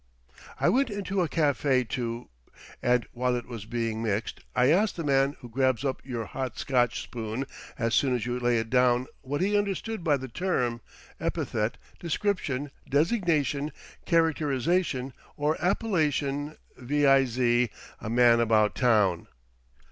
I went into a café to—and while it was being mixed I asked the man who grabs up your hot Scotch spoon as soon as you lay it down what he understood by the term, epithet, description, designation, characterisation or appellation, viz.: a "Man About Town."